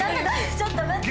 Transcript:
ちょっと待って。